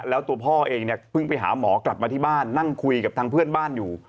แล้วตัวพ่อเองเนี่ยเพิ่งไปหาหมอกลับมาที่บ้านนั่งคุยกับทางเพื่อนบ้านอยู่